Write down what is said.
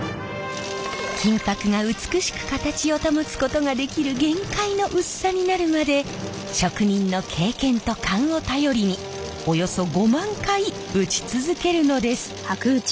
金箔が美しく形を保つことができる限界の薄さになるまで職人の経験と勘を頼りにおよそ５万回打ち続けるのです。